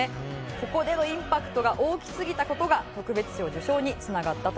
ここでのインパクトが大きすぎた事が特別賞受賞に繋がったという事です。